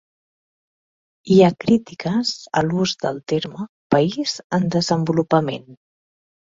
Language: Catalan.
Hi ha crítiques a l'ús del terme país en desenvolupament.